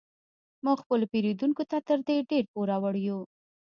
موږ خپلو پیرودونکو ته تر دې ډیر پور وړ یو